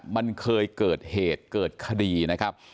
มันเคยเกิดเหตุเกิดคดีนะครับ